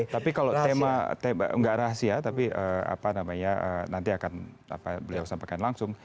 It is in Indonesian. tapi kalau tema enggak rahasia nanti akan beliau sampaikan langsung